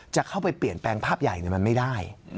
จะเข้าไปเปลี่ยนแปลงภาพใหญ่มันไม่ได้